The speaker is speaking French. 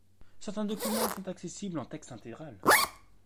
Certains documents sont accessibles en texte intégral.